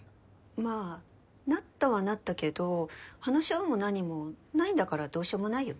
まあなったはなったけど話し合うも何もないんだからどうしようもないよね。